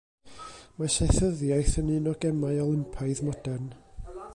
Mae saethyddiaeth yn un o'r gemau Olympaidd modern.